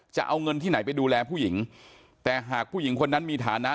จะเอาเงินที่ไหนไปดูแลผู้หญิงแต่หากผู้หญิงคนนั้นมีฐานะ